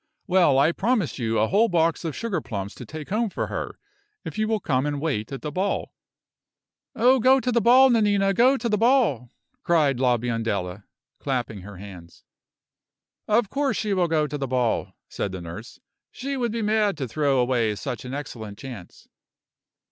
Well, I promise you a whole box of sugar plums to take home for her, if you will come and wait at the ball." "Oh, go to the ball, Nanina; go to the ball!" cried La Biondella, clapping her hands. "Of course she will go to the ball," said the nurse. "She would be mad to throw away such an excellent chance."